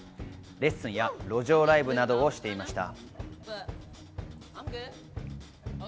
レッスンや路上ライブなどをしていました。